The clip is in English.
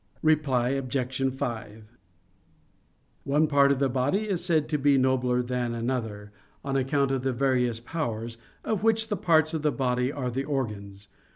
Reply Obj. 5: One part of the body is said to be nobler than another, on account of the various powers, of which the parts of the body are the organs.